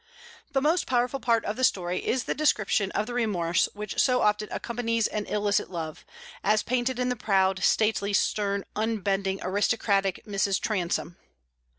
The most powerful part of the story is the description of the remorse which so often accompanies an illicit love, as painted in the proud, stately, stern, unbending, aristocratic Mrs. Transome.